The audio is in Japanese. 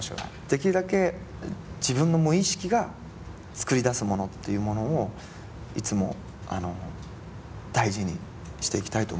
できるだけ自分の無意識が作り出すものっていうものをいつも大事にしていきたいと思ってるんですね。